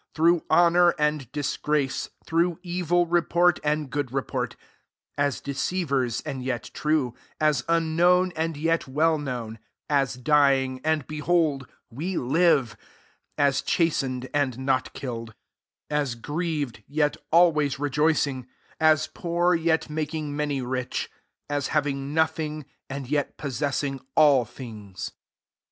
8 through honour and disgrace, through evil report and good report: as deceivers, and yet true; 9 as unknown, and yet well known ; as dying, and, behold, we live ; as chas tened, and not killed ; 10 as grieved, yet always rejoicing ; as poor, yet making many rich ; as having nothing, and yet pos sessing sdl things.